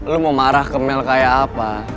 lu mau marah ke mel kayak apa